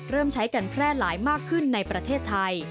เริ่มใช้กันแพร่หลายมากขึ้นในประเทศไทย